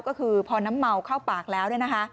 ก็คือพอน้ำเมาเข้าปากแล้ว